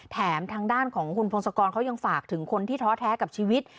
แถมทางด้านของคุณพงศกรเขายังฝากถึงคนที่ท้อแท้กับชีวิต